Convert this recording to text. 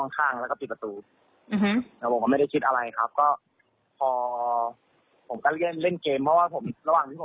กับหน้าจอทวะศัพท์ผมครับ